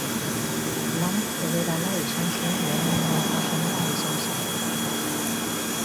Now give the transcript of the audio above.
Lan federala izan zuen lehenengo emakumea izan zen.